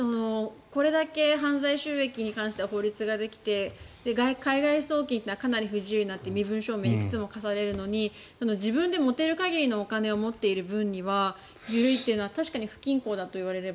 これだけ犯罪収益に関しては法律ができて海外送金というのはかなり不自由になって身分証明をいくつも重ねるのに自分で持てる限りのお金を持っている分には緩いというのは確かに不均衡だと言われれば。